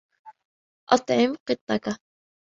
أَطْعِمْ قِطَّكَ.